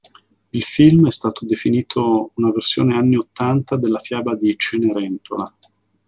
Il film è stato definito una versione anni ottanta della fiaba di "Cenerentola".